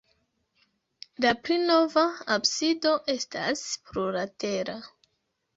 La pli nova absido estas plurlatera.